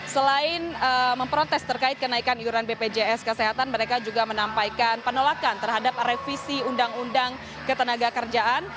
selain memprotes terkait kenaikan iuran bpjs kesehatan mereka juga menampaikan penolakan terhadap revisi undang undang ketenaga kerjaan